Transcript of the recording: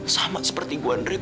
sama seperti gue nenek